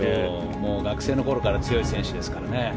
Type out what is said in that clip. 学生のころから強い選手ですからね。